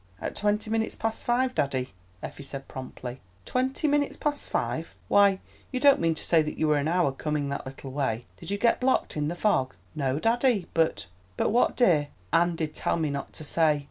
"At twenty minutes past five, daddy," Effie said promptly. "Twenty minutes past five! Why, you don't mean to say that you were an hour coming that little way! Did you get blocked in the fog?" "No, daddy, but——" "But what, dear?" "Anne did tell me not to say!"